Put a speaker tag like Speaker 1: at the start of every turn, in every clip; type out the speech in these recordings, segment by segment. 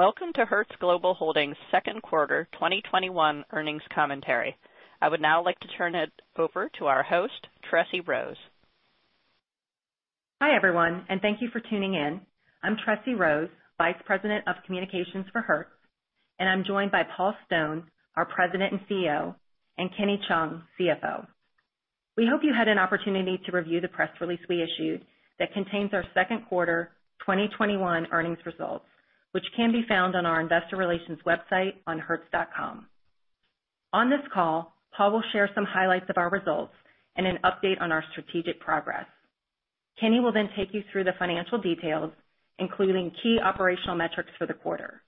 Speaker 1: Welcome to Hertz Global Holdings' Second Quarter 2021 Earnings Commentary. I would now like to turn it over to our host, Tressie Rose.
Speaker 2: Hi, everyone, and thank you for tuning in. I'm Tressie Rose, Vice President of Communications for Hertz, and I'm joined by Paul Stone, our President and CEO, and Kenny Cheung, CFO. We hope you had an opportunity to review the press release we issued that contains our second quarter 2021 earnings results, which can be found on our investor relations website on hertz.com. On this call, Paul will share some highlights of our results and an update on our strategic progress. Kenny will then take you through the financial details, including key operational metrics for the quarter.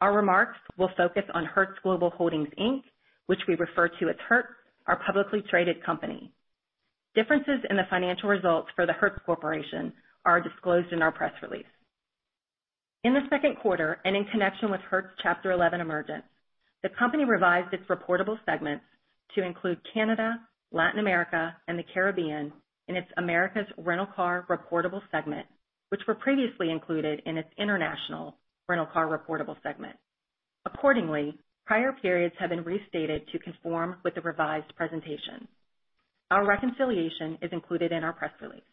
Speaker 2: Our remarks will focus on Hertz Global Holdings, Inc., which we refer to as Hertz, our publicly traded company. Differences in the financial results for the Hertz Corporation are disclosed in our press release. In the second quarter, and in connection with Hertz Chapter 11 emergence, the company revised its reportable segments to include Canada, Latin America, and the Caribbean in its Americas Rental Car reportable segment, which were previously included in its International Rental Car reportable segment. Accordingly, prior periods have been restated to conform with the revised presentation. Our reconciliation is included in our press release.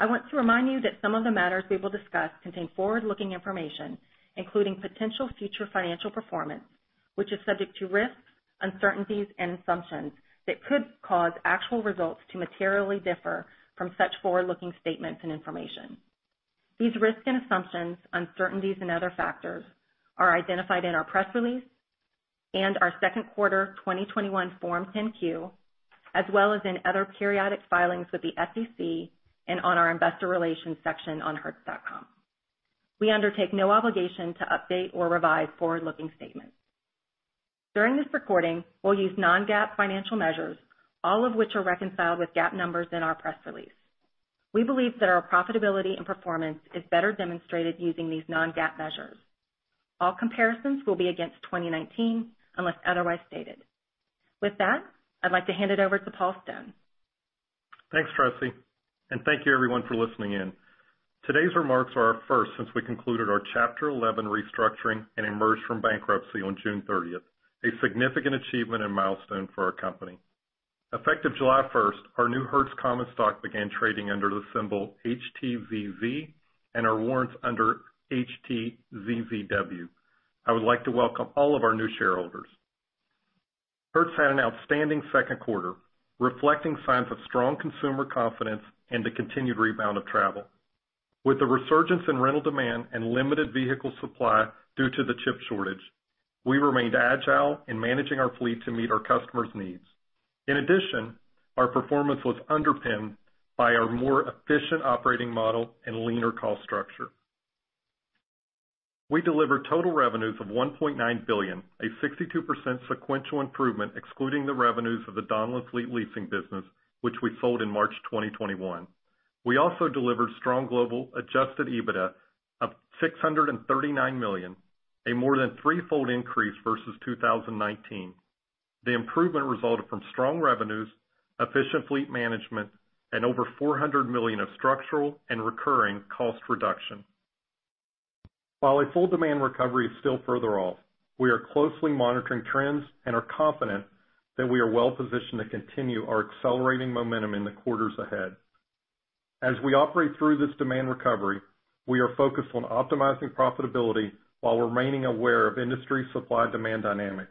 Speaker 2: I want to remind you that some of the matters we will discuss contain forward-looking information, including potential future financial performance, which is subject to risks, uncertainties, and assumptions that could cause actual results to materially differ from such forward-looking statements and information. These risks and assumptions, uncertainties, and other factors are identified in our press release and our second quarter 2021 Form 10-Q, as well as in other periodic filings with the SEC and on our investor relations section on hertz.com. We undertake no obligation to update or revise forward-looking statements. During this recording, we'll use non-GAAP financial measures, all of which are reconciled with GAAP numbers in our press release. We believe that our profitability and performance is better demonstrated using these non-GAAP measures. All comparisons will be against 2019, unless otherwise stated. With that, I'd like to hand it over to Paul Stone.
Speaker 3: Thanks, Tressie. Thank you everyone for listening in. Today's remarks are our first since we concluded our Chapter 11 restructuring and emerged from bankruptcy on June 30th, a significant achievement and milestone for our company. Effective July 1st, our new Hertz common stock began trading under the symbol HTZZ, and our warrants under HTZZW. I would like to welcome all of our new shareholders. Hertz had an outstanding second quarter, reflecting signs of strong consumer confidence and the continued rebound of travel. With the resurgence in rental demand and limited vehicle supply due to the chip shortage, we remained agile in managing our fleet to meet our customers' needs. In addition, our performance was underpinned by our more efficient operating model and leaner cost structure. We delivered total revenues of $1.9 billion, a 62% sequential improvement excluding the revenues of the Donlen fleet leasing business, which we sold in March 2021. We also delivered strong global adjusted EBITDA of $639 million, a more than threefold increase versus 2019. The improvement resulted from strong revenues, efficient fleet management, and over $400 million of structural and recurring cost reduction. While a full demand recovery is still further off, we are closely monitoring trends and are confident that we are well-positioned to continue our accelerating momentum in the quarters ahead. As we operate through this demand recovery, we are focused on optimizing profitability while remaining aware of industry supply-demand dynamics.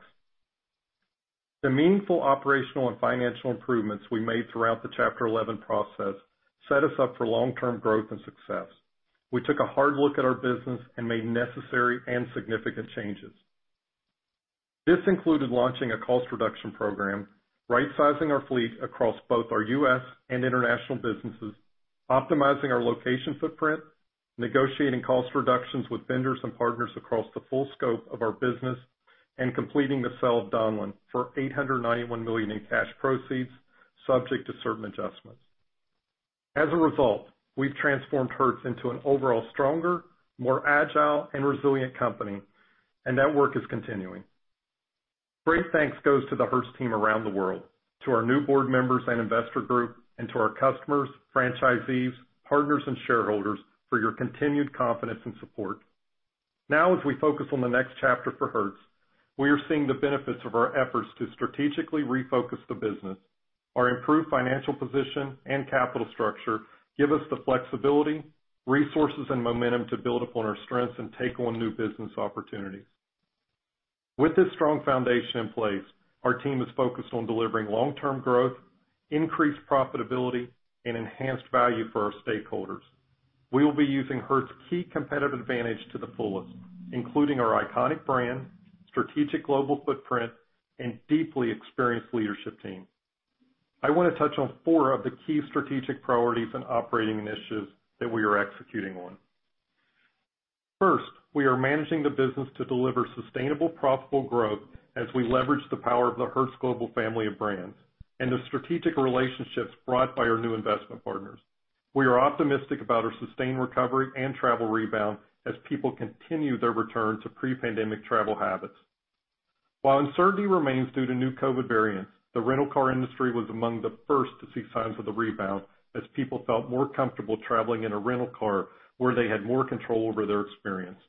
Speaker 3: The meaningful operational and financial improvements we made throughout the Chapter 11 process set us up for long-term growth and success. We took a hard look at our business and made necessary and significant changes. This included launching a cost reduction program, right-sizing our fleet across both our U.S. and international businesses, optimizing our location footprint, negotiating cost reductions with vendors and partners across the full scope of our business, and completing the sale of Donlen for $891 million in cash proceeds, subject to certain adjustments. As a result we've transformed Hertz into an overall stronger, more agile, and resilient company, and that work is continuing. Great thanks goes to the Hertz team around the world, to our new board members and investor group, and to our customers, franchisees, partners, and shareholders for your continued confidence and support. As we focus on the next chapter for Hertz, we are seeing the benefits of our efforts to strategically refocus the business. Our improved financial position and capital structure give us the flexibility, resources, and momentum to build upon our strengths and take on new business opportunities. With this strong foundation in place, our team is focused on delivering long-term growth, increased profitability, and enhanced value for our stakeholders. We will be using Hertz's key competitive advantage to the fullest, including our iconic brand, strategic global footprint, and deeply experienced leadership team. I want to touch on four of the key strategic priorities and operating initiatives that we are executing on. First, we are managing the business to deliver sustainable, profitable growth as we leverage the power of the Hertz Global family of brands and the strategic relationships brought by our new investment partners. We are optimistic about our sustained recovery and travel rebound as people continue their return to pre-pandemic travel habits. While uncertainty remains due to new COVID-19 variants, the rental car industry was among the first to see signs of the rebound as people felt more comfortable traveling in a rental car where they had more control over their experience.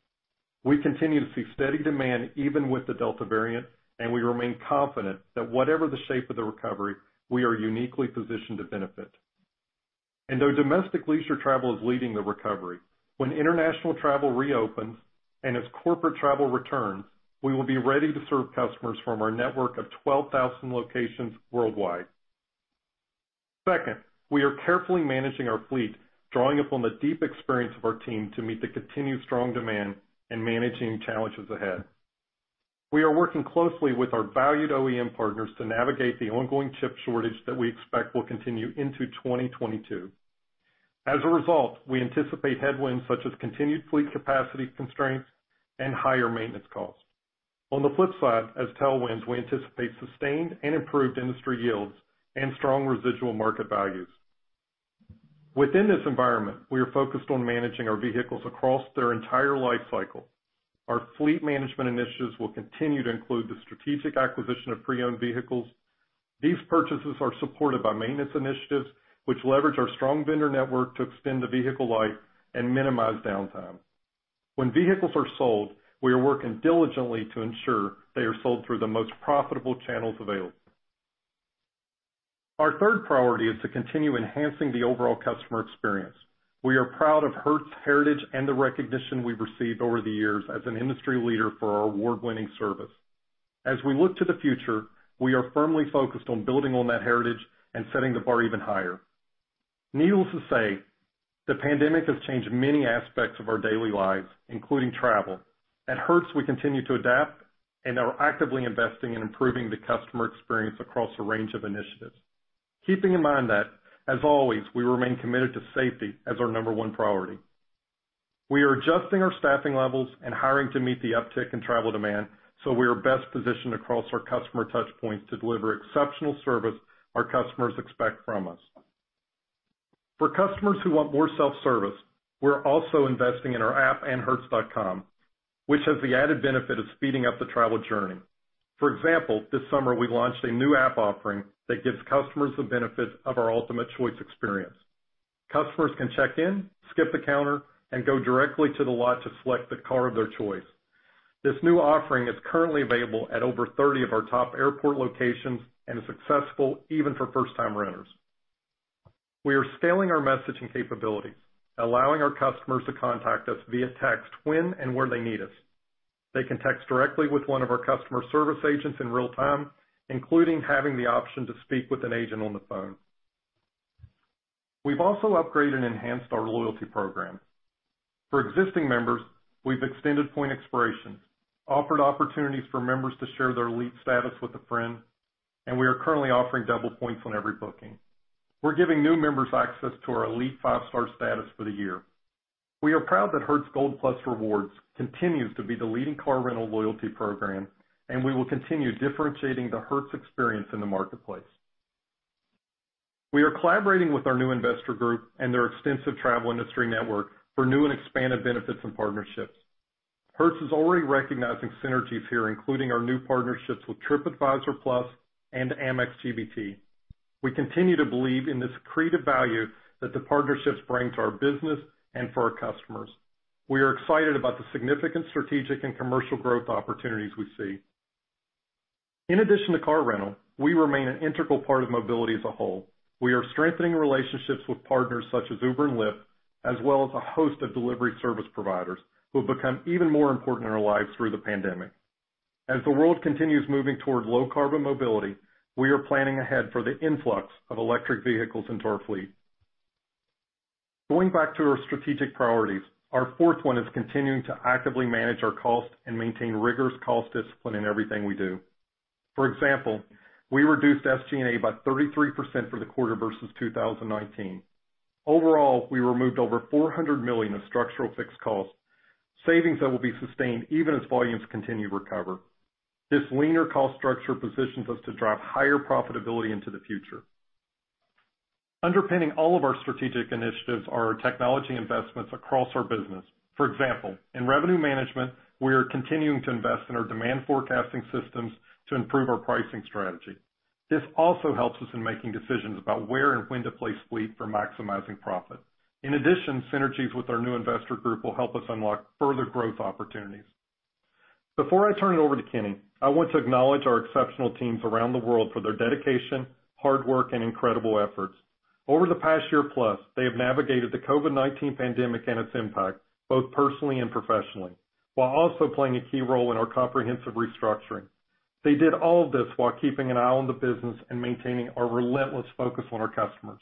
Speaker 3: We continue to see steady demand even with the Delta variant, we remain confident that whatever the shape of the recovery, we are uniquely positioned to benefit. Though domestic leisure travel is leading the recovery, when international travel reopens and as corporate travel returns, we will be ready to serve customers from our network of 12,000 locations worldwide. Second, we are carefully managing our fleet, drawing upon the deep experience of our team to meet the continued strong demand and managing challenges ahead. We are working closely with our valued OEM partners to navigate the ongoing chip shortage that we expect will continue into 2022. As a result, we anticipate headwinds such as continued fleet capacity constraints and higher maintenance costs. On the flip side, as tailwinds, we anticipate sustained and improved industry yields and strong residual market values. Within this environment, we are focused on managing our vehicles across their entire life cycle. Our fleet management initiatives will continue to include the strategic acquisition of pre-owned vehicles. These purchases are supported by maintenance initiatives, which leverage our strong vendor network to extend the vehicle life and minimize downtime. When vehicles are sold, we are working diligently to ensure they are sold through the most profitable channels available. Our third priority is to continue enhancing the overall customer experience. We are proud of Hertz heritage and the recognition we've received over the years as an industry leader for our award-winning service. As we look to the future, we are firmly focused on building on that heritage and setting the bar even higher. Needless to say, the pandemic has changed many aspects of our daily lives, including travel. At Hertz, we continue to adapt and are actively investing in improving the customer experience across a range of initiatives. Keeping in mind that, as always, we remain committed to safety as our number one priority. We are adjusting our staffing levels and hiring to meet the uptick in travel demand so we are best positioned across our customer touchpoints to deliver exceptional service our customers expect from us. For customers who want more self-service, we're also investing in our app and hertz.com, which has the added benefit of speeding up the travel journey. For example, this summer, we launched a new app offering that gives customers the benefit of our Ultimate Choice experience. Customers can check in, skip the counter, and go directly to the lot to select the car of their choice. This new offering is currently available at over 30 of our top airport locations and is successful even for first-time renters. We are scaling our messaging capabilities, allowing our customers to contact us via text when and where they need us. They can text directly with one of our customer service agents in real time, including having the option to speak with an agent on the phone. We've also upgraded and enhanced our loyalty program. For existing members, we've extended point expirations, offered opportunities for members to share their elite status with a friend, and we are currently offering double points on every booking. We're giving new members access to our elite Five Star status for the year. We are proud that Hertz Gold Plus Rewards continues to be the leading car rental loyalty program, and we will continue differentiating the Hertz experience in the marketplace. We are collaborating with our new investor group and their extensive travel industry network for new and expanded benefits and partnerships. Hertz is already recognizing synergies here, including our new partnerships with Tripadvisor Plus and Amex GBT. We continue to believe in this accretive value that the partnerships bring to our business and for our customers. We are excited about the significant strategic and commercial growth opportunities we see. In addition to car rental, we remain an integral part of mobility as a whole. We are strengthening relationships with partners such as Uber and Lyft, as well as a host of delivery service providers who have become even more important in our lives through the pandemic. As the world continues moving toward low-carbon mobility, we are planning ahead for the influx of electric vehicles into our fleet. Going back to our strategic priorities, our fourth one is continuing to actively manage our cost and maintain rigorous cost discipline in everything we do. For example, we reduced SG&A by 33% for the quarter versus 2019. Overall, we removed over $400 million of structural fixed costs, savings that will be sustained even as volumes continue to recover. This leaner cost structure positions us to drive higher profitability into the future. Underpinning all of our strategic initiatives are our technology investments across our business. For example, in revenue management, we are continuing to invest in our demand forecasting systems to improve our pricing strategy. This also helps us in making decisions about where and when to place fleet for maximizing profit. In addition, synergies with our new investor group will help us unlock further growth opportunities. Before I turn it over to Kenny, I want to acknowledge our exceptional teams around the world for their dedication, hard work, and incredible efforts. Over the past year plus, they have navigated the COVID-19 pandemic and its impact, both personally and professionally, while also playing a key role in our comprehensive restructuring. They did all of this while keeping an eye on the business and maintaining a relentless focus on our customers.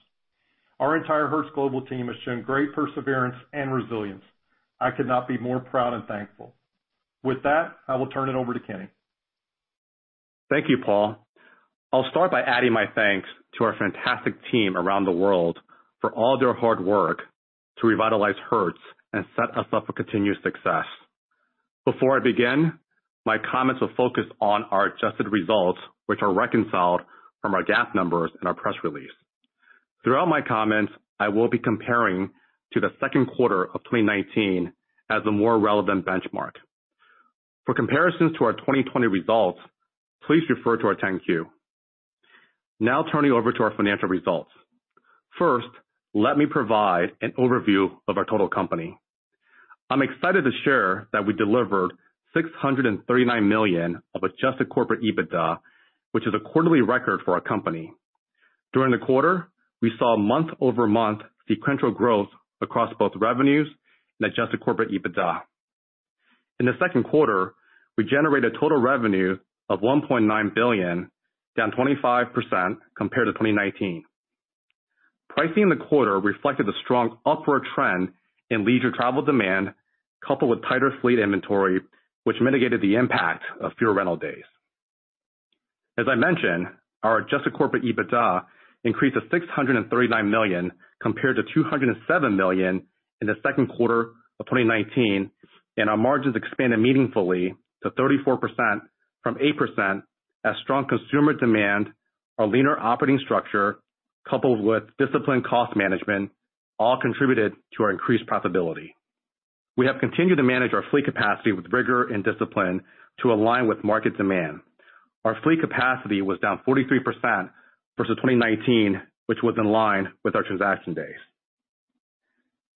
Speaker 3: Our entire Hertz Global team has shown great perseverance and resilience. I could not be more proud and thankful. With that, I will turn it over to Kenny.
Speaker 4: Thank you, Paul. I'll start by adding my thanks to our fantastic team around the world for all their hard work to revitalize Hertz and set us up for continued success. Before I begin, my comments will focus on our adjusted results, which are reconciled from our GAAP numbers in our press release. Throughout my comments, I will be comparing to the second quarter of 2019 as a more relevant benchmark. For comparisons to our 2020 results, please refer to our 10-Q. Now turning over to our financial results. First, let me provide an overview of our total company. I'm excited to share that we delivered $639 million of adjusted corporate EBITDA, which is a quarterly record for our company. During the quarter, we saw month-over-month sequential growth across both revenues and adjusted corporate EBITDA. In the second quarter, we generated total revenue of $1.9 billion, down 25% compared to 2019. Pricing in the quarter reflected the strong upward trend in leisure travel demand, coupled with tighter fleet inventory, which mitigated the impact of fewer rental days. As I mentioned, our adjusted corporate EBITDA increased to $639 million compared to $207 million in the second quarter of 2019, and our margins expanded meaningfully to 34% from 8% as strong consumer demand, our leaner operating structure, coupled with disciplined cost management, all contributed to our increased profitability. We have continued to manage our fleet capacity with rigor and discipline to align with market demand. Our fleet capacity was down 43% versus 2019, which was in line with our transaction days.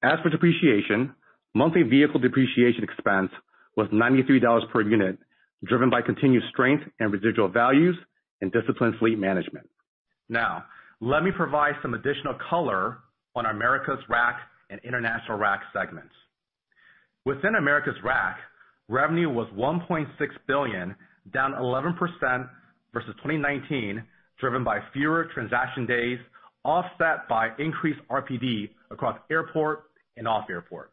Speaker 4: As for depreciation, monthly vehicle depreciation expense was $93 per unit, driven by continued strength in residual values and disciplined fleet management. Now, let me provide some additional color on our Americas RAC and International RAC segments. Within Americas RAC, revenue was $1.6 billion, down 11% versus 2019, driven by fewer transaction days, offset by increased RPD across airport and off-airport.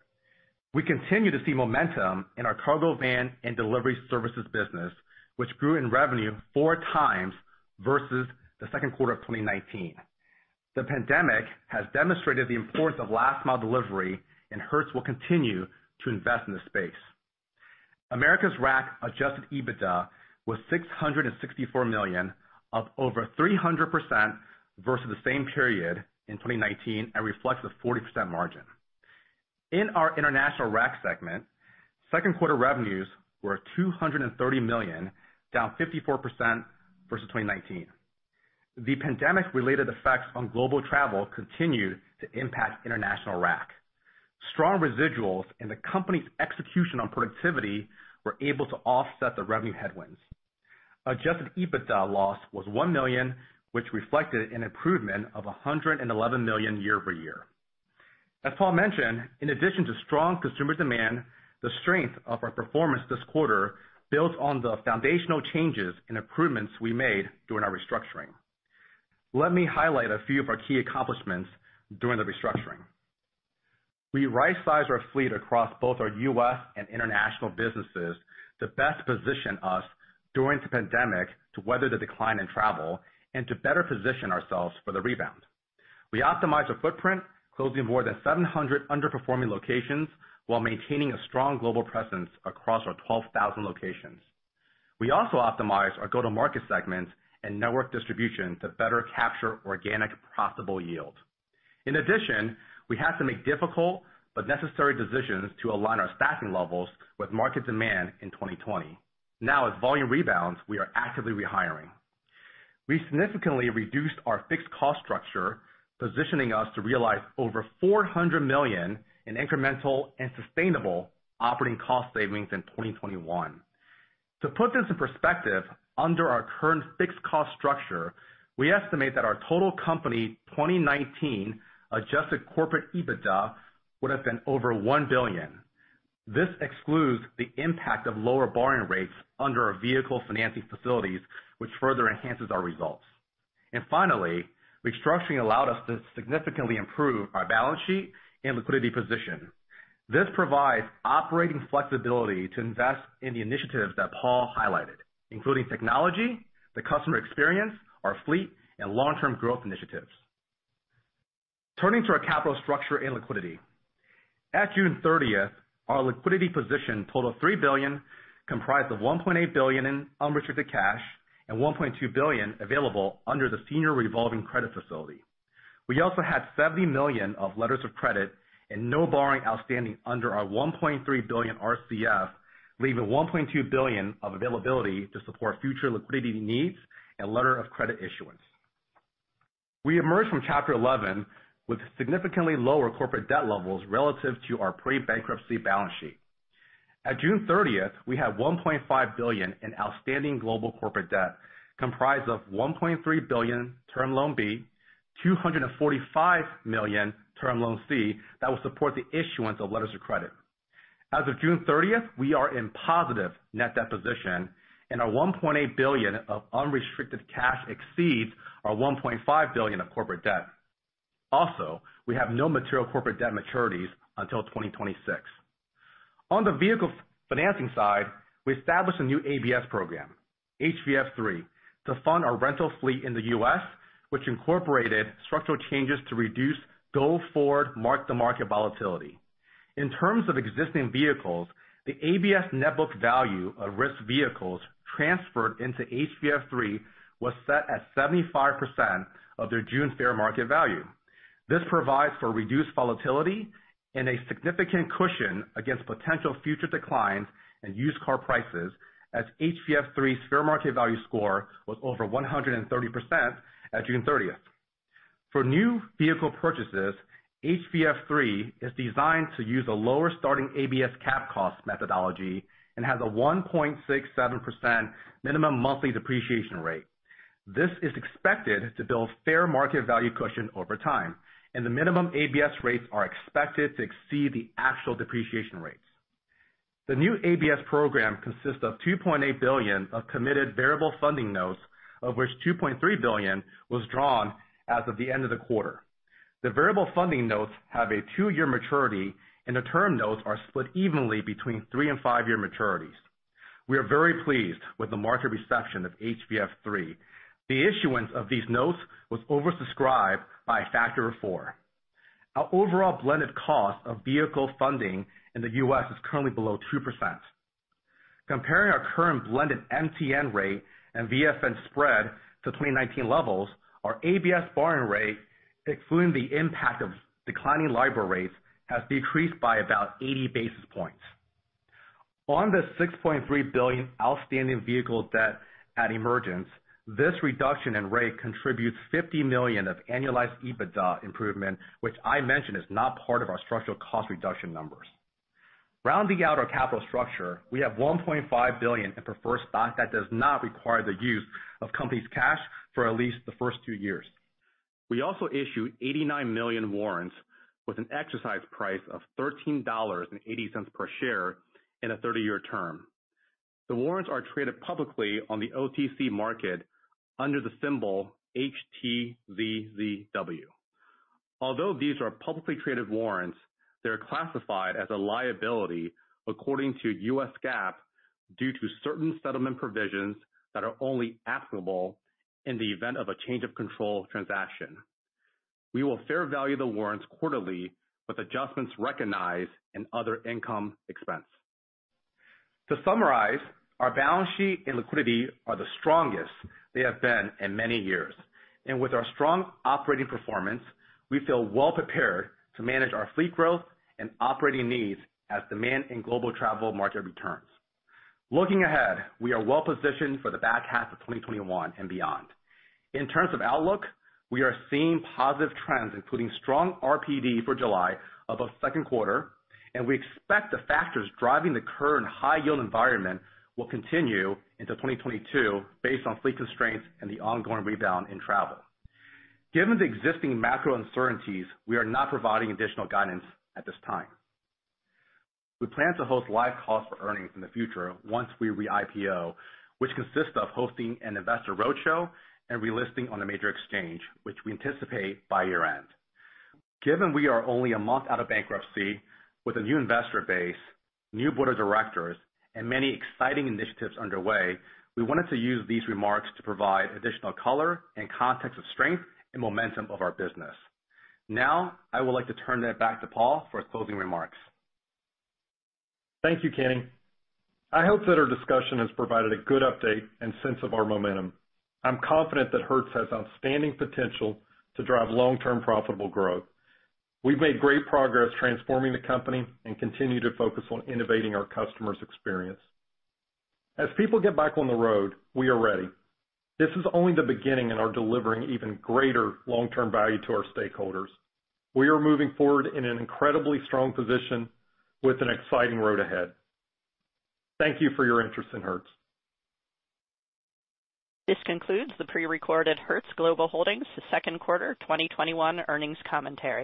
Speaker 4: We continue to see momentum in our cargo van and delivery services business, which grew in revenue 4x versus the second quarter of 2019. The pandemic has demonstrated the importance of last mile delivery, and Hertz will continue to invest in this space. Americas RAC adjusted EBITDA was $664 million, up over 300% versus the same period in 2019 and reflects a 40% margin. In our International RAC segment, second quarter revenues were $230 million, down 54% versus 2019. The pandemic-related effects on global travel continued to impact International RAC. Strong residuals in the company's execution on productivity were able to offset the revenue headwinds. Adjusted EBITDA loss was $1 million, which reflected an improvement of $111 million year-over-year. As Paul mentioned, in addition to strong consumer demand, the strength of our performance this quarter builds on the foundational changes and improvements we made during our restructuring. Let me highlight a few of our key accomplishments during the restructuring. We right-sized our fleet across both our U.S. and international businesses to best position us during the pandemic to weather the decline in travel and to better position ourselves for the rebound. We optimized our footprint, closing more than 700 underperforming locations while maintaining a strong global presence across our 12,000 locations. We also optimized our go-to-market segments and network distribution to better capture organic profitable yield. In addition, we had to make difficult but necessary decisions to align our staffing levels with market demand in 2020. Now, as volume rebounds, we are actively rehiring. We significantly reduced our fixed cost structure, positioning us to realize over $400 million in incremental and sustainable operating cost savings in 2021. To put this in perspective, under our current fixed cost structure, we estimate that our total company 2019 adjusted corporate EBITDA would have been over $1 billion. This excludes the impact of lower borrowing rates under our vehicle financing facilities, which further enhances our results. Finally, restructuring allowed us to significantly improve our balance sheet and liquidity position. This provides operating flexibility to invest in the initiatives that Paul highlighted, including technology, the customer experience, our fleet, and long-term growth initiatives. Turning to our capital structure and liquidity. At June 30th, our liquidity position totaled $3 billion, comprised of $1.8 billion in unrestricted cash and $1.2 billion available under the senior revolving credit facility. We also had $70 million of letters of credit and no borrowing outstanding under our $1.3 billion RCF, leaving $1.2 billion of availability to support future liquidity needs and letter of credit issuance. We emerged from Chapter 11 with significantly lower corporate debt levels relative to our pre-bankruptcy balance sheet. At June 30th, we had $1.5 billion in outstanding global corporate debt, comprised of $1.3 billion Term Loan B, $245 million Term Loan C that will support the issuance of letters of credit. As of June 30th, we are in positive net debt position, and our $1.8 billion of unrestricted cash exceeds our $1.5 billion of corporate debt. We have no material corporate debt maturities until 2026. On the vehicle financing side, we established a new ABS program, HVF III, to fund our rental fleet in the U.S., which incorporated structural changes to reduce go-forward mark-to-market volatility. In terms of existing vehicles, the ABS net book value of risk vehicles transferred into HVF III was set at 75% of their June fair market value. This provides for reduced volatility and a significant cushion against potential future declines in used car prices, as HVF III's fair market value score was over 130% at June 30th. For new vehicle purchases, HVF III is designed to use a lower starting ABS cap cost methodology and has a 1.67% minimum monthly depreciation rate. This is expected to build fair market value cushion over time, and the minimum ABS rates are expected to exceed the actual depreciation rates. The new ABS program consists of $2.8 billion of committed variable funding notes, of which $2.3 billion was drawn as of the end of the quarter. The variable funding notes have a two-year maturity, and the term notes are split evenly between three and five-year maturities. We are very pleased with the market reception of HVF III. The issuance of these notes was oversubscribed by a factor of four. Our overall blended cost of vehicle funding in the U.S. is currently below 2%. Comparing our current blended MTN rate and VFN spread to 2019 levels, our ABS borrowing rate, excluding the impact of declining LIBOR rates, has decreased by about 80 basis points. On the $6.3 billion outstanding vehicle debt at emergence, this reduction in rate contributes $50 million of annualized EBITDA improvement, which I mentioned is not part of our structural cost reduction numbers. Rounding out our capital structure, we have $1.5 billion in preferred stock that does not require the use of company's cash for at least the first two years. We also issued 89 million warrants with an exercise price of $13.80 per share and a 30-year term. The warrants are traded publicly on the OTC market under the symbol HTZZW. Although these are publicly traded warrants, they are classified as a liability according to U.S. GAAP, due to certain settlement provisions that are only actionable in the event of a change of control transaction. We will fair value the warrants quarterly with adjustments recognized in other income expense. To summarize, our balance sheet and liquidity are the strongest they have been in many years. With our strong operating performance, we feel well prepared to manage our fleet growth and operating needs as demand in global travel market returns. Looking ahead, we are well positioned for the back half of 2021 and beyond. In terms of outlook, we are seeing positive trends, including strong RPD for July of the second quarter, and we expect the factors driving the current high yield environment will continue into 2022 based on fleet constraints and the ongoing rebound in travel. Given the existing macro uncertainties, we are not providing additional guidance at this time. We plan to host live calls for earnings in the future once we re-IPO, which consists of hosting an investor roadshow and relisting on a major exchange, which we anticipate by year-end. Given we are only a month out of bankruptcy with a new investor base, new board of directors, and many exciting initiatives underway, we wanted to use these remarks to provide additional color and context of strength and momentum of our business Now, I would like to turn it back to Paul for his closing remarks.
Speaker 3: Thank you, Kenny. I hope that our discussion has provided a good update and sense of our momentum. I'm confident that Hertz has outstanding potential to drive long-term profitable growth. We've made great progress transforming the company and continue to focus on innovating our customer's experience. As people get back on the road, we are ready. This is only the beginning in our delivering even greater long-term value to our stakeholders. We are moving forward in an incredibly strong position with an exciting road ahead. Thank you for your interest in Hertz.
Speaker 1: This concludes the pre-recorded Hertz Global Holdings second quarter 2021 earnings commentary.